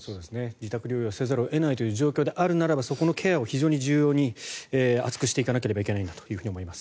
自宅療養せざるを得ないという状況であるならばそこのケアを非常に重要に厚くしていかなければいけないんだと思います。